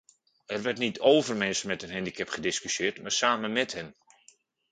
Er werd niet over mensen met een handicap gediscussieerd, maar samen met hen.